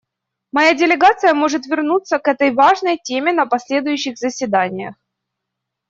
Моя делегация может вернуться к этой важной теме на последующих заседаниях.